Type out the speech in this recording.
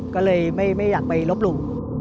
ก็เลยไม่อยากไปลบหลู่